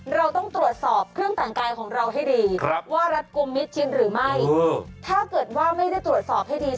เราต้องตรวจสอบเครื่องแต่งกายของเราให้ดีว่ารัดกลุ่มมิตรจริงหรือไม่ถ้าเกิดว่าไม่ได้ตรวจสอบให้ดี